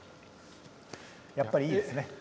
やっぱりいいですね。